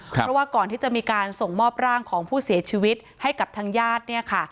เพราะว่าก่อนที่จะมีการส่งมอบร่างของผู้เสียชีวิตให้กับทางญาติเนี่ยค่ะ